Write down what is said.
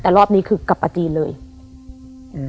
แต่รอบนี้คือกลับมาจีนเลยอืม